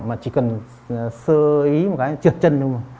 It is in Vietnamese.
mà chỉ cần sơ ý một cái trượt chân thôi